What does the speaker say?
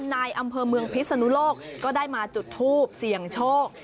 นายอำเภอเมืองพิศนุโลกก็ได้มาจุดทูบเสี่ยงโชค